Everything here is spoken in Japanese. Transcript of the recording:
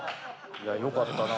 いやよかったな。